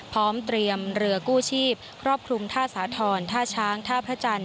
พร้อมเตรียมเรือกู้ชีพครอบคลุมท่าสาธรณ์ท่าช้างท่าพระจันทร์